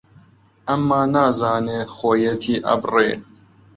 ئەمما نازانێ خۆیەتی ئەبرێ